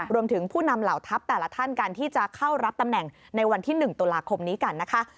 ผู้นำเหล่าทัพแต่ละท่านกันที่จะเข้ารับตำแหน่งในวันที่๑ตุลาคมนี้กันนะคะ